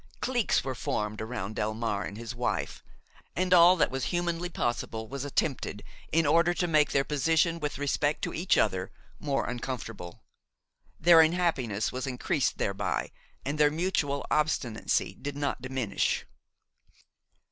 Cliques were formed around Delmare and his wife, and all that was humanly possible was attempted in order to make their position with respect to each other more uncomfortable. Their unhappiness was increased thereby and their mutual obstinacy did not diminish.